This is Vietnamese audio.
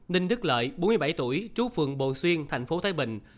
ninh đức lợi bốn mươi bảy tuổi trú phường bồ xuyên tp thái bình